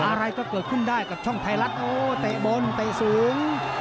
อะไรก็เกิดขึ้นได้กับช่องไทยรัฐโอ้เตะบนเตะสูง